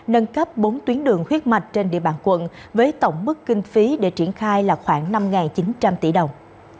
nâng cấp bốn tuyến đường huyết mạch trên địa bàn quận với tổng mức kinh phí để triển khai là khoảng năm chín trăm linh tỷ đồng